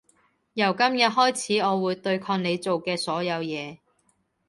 由今日開始我會對抗你做嘅所有嘢